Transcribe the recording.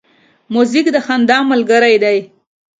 موزیک د خندا ملګری دی.